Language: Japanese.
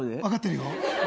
分かってるよ。